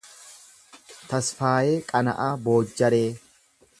Tasfaayee Qana’aa Boojjaree